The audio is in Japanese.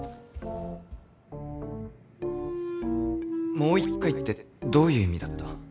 もう一回ってどういう意味だった？